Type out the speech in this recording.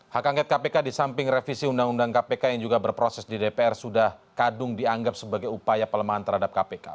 hak angket kpk di samping revisi undang undang kpk yang juga berproses di dpr sudah kadung dianggap sebagai upaya pelemahan terhadap kpk